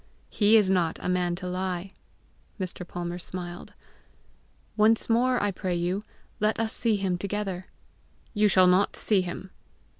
"He is not a man to lie!" Mr. Palmer smiled. "Once more I pray you, let us see him together." "You shall not see him."